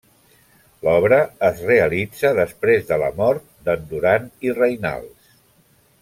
L'obra es realitza després de la mort d'en Duran i Reinals.